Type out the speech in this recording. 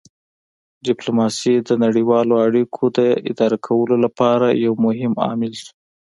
ډیپلوماسي د نړیوالو اړیکو د اداره کولو لپاره یو مهم عامل شوه